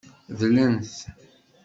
Dlen-t.